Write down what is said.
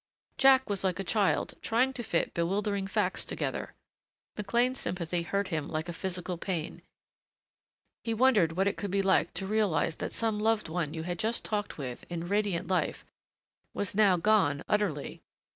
Jack was like a child, trying to fit bewildering facts together. McLean's sympathy hurt him like a physical pain. He wondered what it could be like to realize that some loved one you had just talked with, in radiant life, was now gone utterly....